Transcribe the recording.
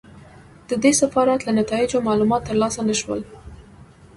د دې سفارت له نتایجو معلومات ترلاسه نه شول.